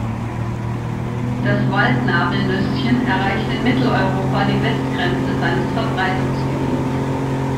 Das Wald-Nabelnüsschen erreicht in Mitteleuropa die Westgrenze seines Verbreitungsgebiets.